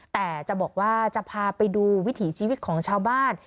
แต่จะบอกว่าจะพาไปดูวิถีชีวิตของชาวบ้าน